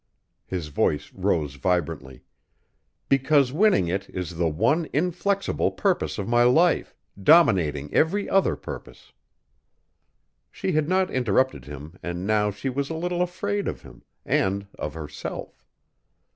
His voice rose vibrantly. "Because winning it is the one inflexible purpose of my life, dominating every other purpose." She had not interrupted him and now she was a little afraid of him and of herself.